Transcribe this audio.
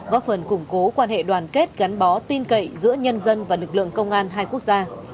góp phần củng cố quan hệ đoàn kết gắn bó tin cậy giữa nhân dân và lực lượng công an hai quốc gia